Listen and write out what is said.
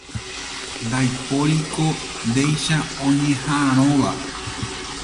Ndaipóriko ndéicha oñeha'ãrõva